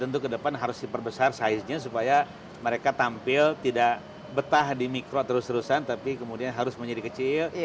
tentu ke depan harus diperbesar size nya supaya mereka tampil tidak betah di mikro terus terusan tapi kemudian harus menjadi kecil